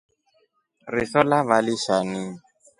Riso lava lishani.